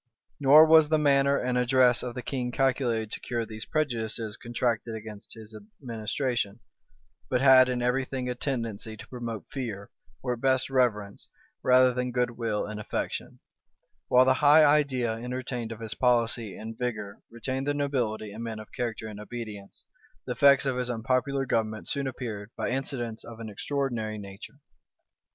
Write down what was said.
Nor was the manner and address of the king calculated to cure these prejudices contracted against his administration; but had in every thing a tendency to promote fear, or at best reverence, rather than good will and affection.[*] While the high idea entertained of his policy and vigor retained the nobility and men of character in obedience, the effects of his unpopular government soon appeared, by incidents of an extraordinary nature. * Bacon, p. 583.